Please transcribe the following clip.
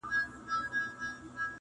د قسمت کارونه ګوره بوډا جوړ سو!.